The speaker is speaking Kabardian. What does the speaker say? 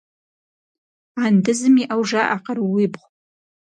Андызым иӏэу жаӏэ къарууибгъу.